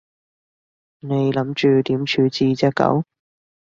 你諗住點處置隻狗？